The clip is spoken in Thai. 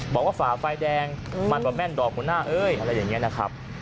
ฝ่าไฟแดงมันว่าแม่นดอกหัวหน้าเอ้ยอะไรอย่างนี้นะครับ